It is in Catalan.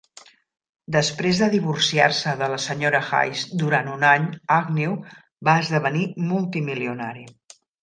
Després de divorciar-se de la Sra. Hayes durant un any, Agnew va esdevenir multimilionari.